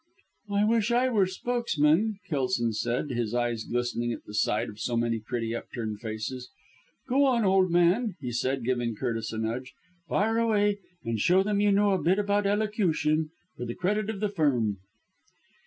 "I wish I were spokesman," Kelson sighed, his eyes glistening at the sight of so many pretty upturned faces. "Go on, old man!" he added, giving Curtis a nudge. "Fire away, and show them you know a bit about elocution, for the credit of the Firm."